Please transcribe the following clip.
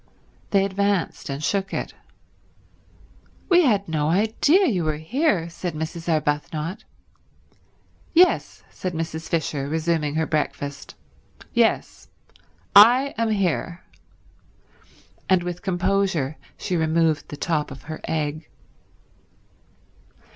They advanced and shook it. "We had no idea you were here," said Mrs. Arbuthnot. "Yes," said Mrs. Fisher, resuming her breakfast. "Yes. I am here." And with composure she removed the top of her egg.